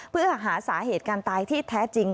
เพื่อหาสาเหตุการตายที่แท้จริง